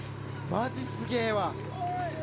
マジすげえわ。